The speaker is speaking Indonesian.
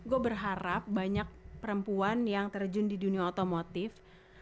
gue berharap banyak perempuan yang terjun di dunia otomotif